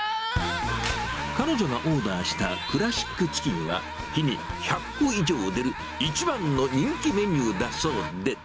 彼女がオーダーしたクラシックチキンは、日に１００個以上出る、一番の人気メニューだそうで。